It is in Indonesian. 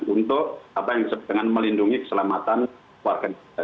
untuk melindungi keselamatan warga negara